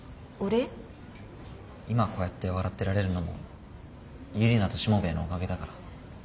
今こうやって笑ってられるのもユリナとしもべえのおかげだから。